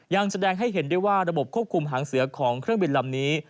ยังแสดงให้เห็นได้ว่าระบบควบคุมหางเสือของเครื่องบินลำนี้